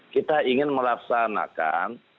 kita ingin melaksanakan